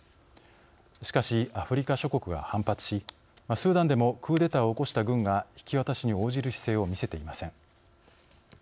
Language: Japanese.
しかし、アフリカ諸国が反発しスーダンでもクーデターを起こした軍が引き渡しに応じる姿勢を見せていません。